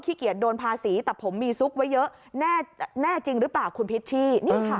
เกียจโดนภาษีแต่ผมมีซุกไว้เยอะแน่จริงหรือเปล่าคุณพิชชี่นี่ค่ะ